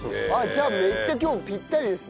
じゃあめっちゃ今日ピッタリですね。